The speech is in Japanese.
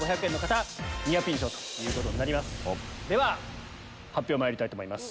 では発表まいりたいと思います。